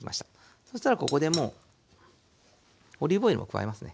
そしたらここでもうオリーブオイルも加えますね。